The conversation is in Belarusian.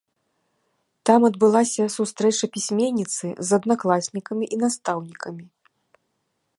Там адбылася сустрэча пісьменніцы з аднакласнікамі і настаўнікамі.